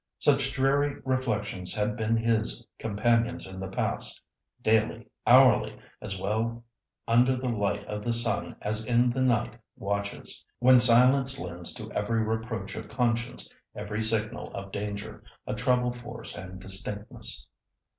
Such dreary reflections had been his companions in the past—daily, hourly, as well under the light of the sun as in the night watches, when silence lends to every reproach of conscience, every signal of danger, a treble force and distinctness.